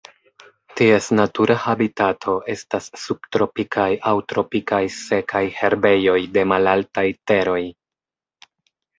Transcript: Ties natura habitato estas subtropikaj aŭ tropikaj sekaj herbejoj de malaltaj teroj.